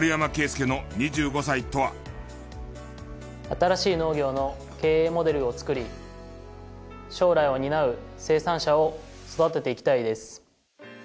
新しい農業の経営モデルを作り将来を担う生産者を育てていきたいです。